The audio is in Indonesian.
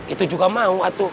itu juga mau atuh